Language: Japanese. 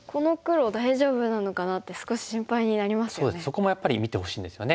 そこもやっぱり見てほしいんですよね。